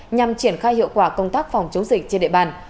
nhằm triển khai hiệu quả công tác phòng chống dịch trên địa bàn